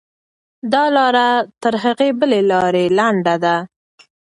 دا لاره تر هغې بلې لارې لنډه ده.